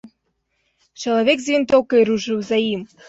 Чалавек з вінтоўкай рушыў за ім.